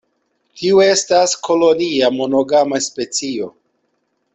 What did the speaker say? Tiu estas kolonia, monogama specio.